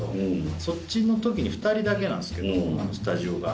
そっちの時に２人だけなんですけどスタジオが。